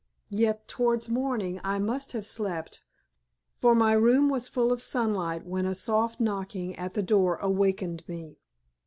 Yet towards morning I must have slept, for my room was full of sunlight when a soft knocking at the door awakened me.